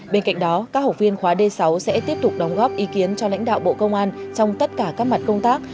bên cạnh đó các học viên khóa d sáu sẽ tiếp tục đóng góp ý kiến cho lãnh đạo bộ công an trong tất cả các mặt công tác